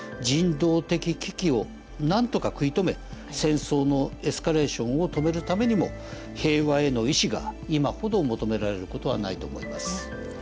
人道的危機を何とか食い止め戦争のエスカレーションを止めるためにも平和への意思が今ほど求められる事はないと思います。